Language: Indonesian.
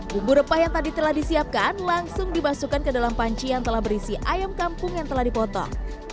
bumbu rempah yang tadi telah disiapkan langsung dimasukkan ke dalam panci yang telah berisi ayam kampung yang telah dipotong